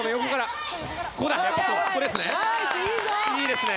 いいですね！